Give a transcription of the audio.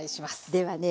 ではね